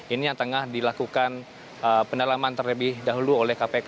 ini yang tengah dilakukan pendalaman terlebih dahulu oleh kpk